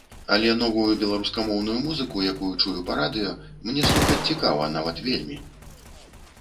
Але новую беларускамоўную музыку, якую чую па радыё, мне слухаць цікава, нават вельмі.